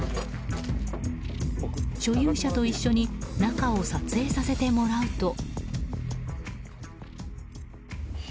所有者と一緒に中を撮影させてもらうと。